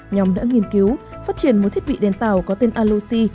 nhóm đã nghiên cứu phát triển một thiết bị đèn tạo có tên aloxi